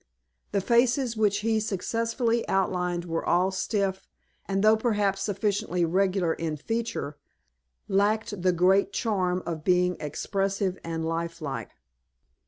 The faces which he successively outlined were all stiff, and though perhaps sufficiently regular in feature, lacked the great charm of being expressive and life like.